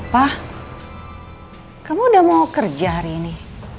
pak kamu udah mau kerja hari ini